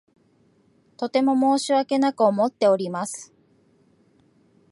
とても申し訳なく思っております。